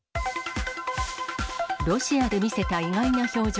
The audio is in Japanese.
ロシアで見せた意外な表情。